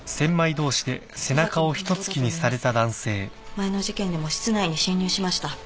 前の事件でも室内に侵入しました。